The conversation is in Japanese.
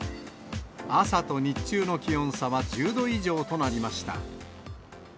朝と日中の気温差は１０度以上となりました。